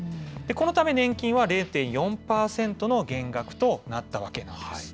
このため年金は０．４％の減額となったわけなんです。